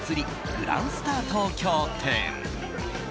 グランスタ東京店。